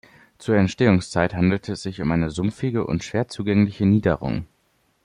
Zur Entstehungszeit handelte es sich um eine sumpfige und schwer zugängliche Niederung.